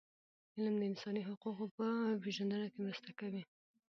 علم د انساني حقونو په پېژندنه کي مرسته کوي.